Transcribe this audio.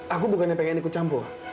aku bukannya pengen ikut campur